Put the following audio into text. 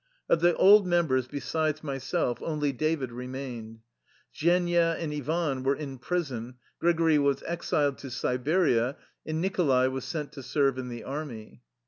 Of the old members, besides myself, only David remained. Zhenia and Ivan were in prison, Grigory was exiled to Siberia, and Nicho lai was sent to serve in the army.